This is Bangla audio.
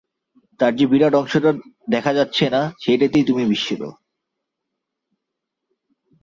তার যে বিরাট অংশটা দেখা যাচ্ছে না, সেইটেতেই তুমি বিস্মিত।